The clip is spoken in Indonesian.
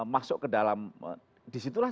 masuk ke dalam disitulah